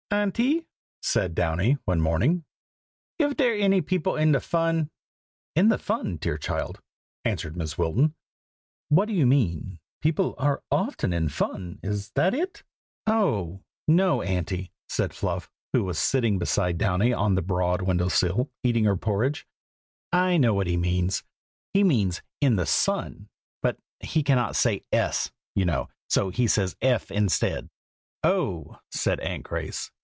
"AUNTIE," said Downy, one morning, "I'v dere any people in de fun?" "In the fun, dear child?" answered Mrs. Wilton. "What do you mean? people are often in fun. Is that it?" "Oh! no, Auntie!" said Fluff, who was sitting beside Downy on the broad window sill, eating her porridge, "I know what he means. He means 'in the sun,' but he cannot say 's,' you know, so he says 'f' instead." "Oh!" said Aunt Grace.